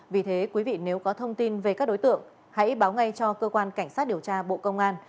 vì thế quý vị nếu có thông tin về các đối tượng hãy báo ngay cho cơ quan cảnh sát điều tra bộ công an